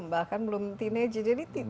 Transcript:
bahkan belum teenager jadi